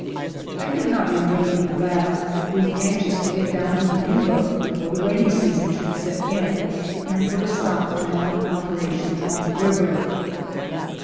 I did not remain in Nevada, being anxious to get down to the Yuba before the rainy season should set in and put a stop to mining operations on the river.